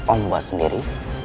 om buat sendiri